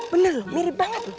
bener lu mirip banget